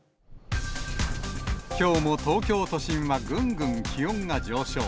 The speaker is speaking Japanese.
きょうも東京都心はぐんぐん気温が上昇。